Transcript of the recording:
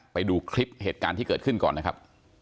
ไปดูคลิปเหตุการณ์ที่เกิดขึ้นก่อนนะครับ